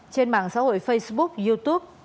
trên mạng xã hội facebook youtube